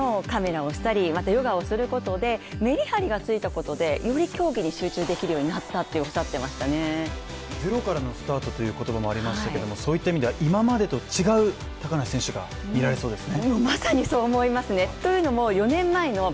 趣味のカメラをしたり、またヨガをすることで、メリハリがついたことで、より競技に集中できるようになったっておっしゃってましたね、ゼロからのスタートという言葉もありましたけどもそういった意味では、今までと違う高梨選手が見られそうですね